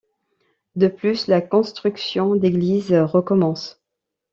De plus la construction d'églises recommence.